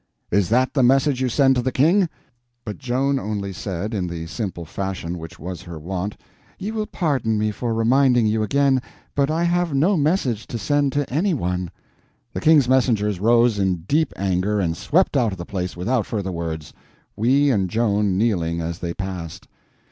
"Is that the message you send to the King?" But Joan only said, in the simple fashion which was her wont: "Ye will pardon me for reminding you again—but I have no message to send to any one." The King's messengers rose in deep anger and swept out of the place without further words, we and Joan kneeling as they passed.